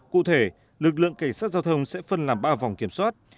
cụ thể lực lượng cảnh sát giao thông sẽ phân làm ba vòng kiểm soát